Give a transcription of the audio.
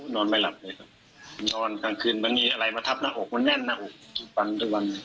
นอนไม่หลับเลยครับนอนกลางคืนมันมีอะไรมาทับหน้าอกมันแน่นหน้าอกทุกวัน